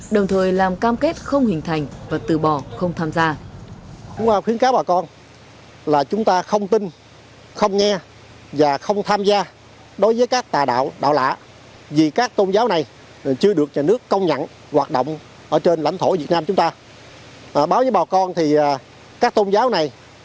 đồng thời làm cam kết không hình thành và từ bỏ không tham gia